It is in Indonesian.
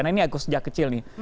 nah ini agus sejak kecil nih